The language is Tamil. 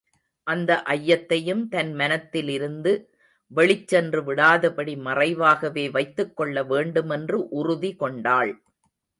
அந்த ஐயத்தையும் தன் மனத்திலிருந்து வெளிச் சென்று விடாதபடி மறைவாகவே வைத்துக் கொள்ள வேண்டுமென்று உறுதி கொண்டாள்.